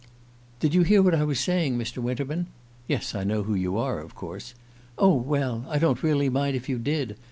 "Did you hear what I was saying, Mr. Winterman? (Yes, I know who you are, of course!) Oh, well, I don't really mind if you did.